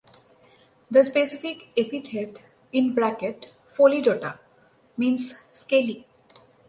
The specific epithet ("pholidota") means "scaly".